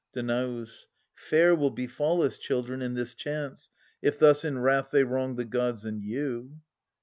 Danaus. Fair will befall us, children, in this chance, If thus in wrath they wrong the gods and you.